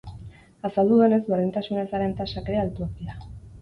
Azaldu duenez, berdintasun ezaren tasak ere altuak dira.